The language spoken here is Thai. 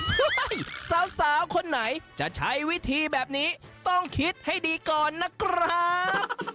สาวคนไหนจะใช้วิธีแบบนี้ต้องคิดให้ดีก่อนนะครับ